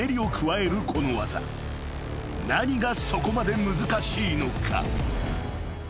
［何がそこまで難しいのか？］